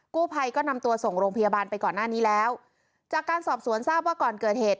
กู้ภัยก็นำตัวส่งโรงพยาบาลไปก่อนหน้านี้แล้วจากการสอบสวนทราบว่าก่อนเกิดเหตุ